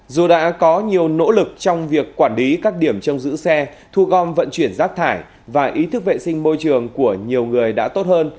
dù đã có nhiều nỗ lực trong việc quản lý các điểm trong giữ xe thu gom vận chuyển rác thải và ý thức vệ sinh môi trường của nhiều người đã tốt hơn